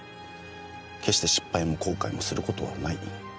決して失敗も後悔もする事はない。